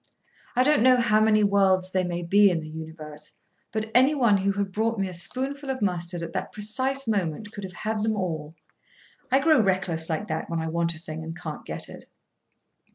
I don't know how many worlds there may be in the universe, but anyone who had brought me a spoonful of mustard at that precise moment could have had them all. I grow reckless like that when I want a thing and can't get it.